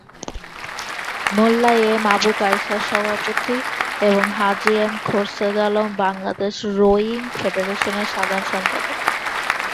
মোল্লা M Abu Kaiser সভাপতি এবং Haji M Khorshed Alam Bangladesh rowing ফেডারেশনের সাধারণ সম্পাদক।